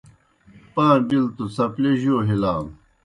پاں بِلوْ توْ څپلِیؤ جو ہِلانوْ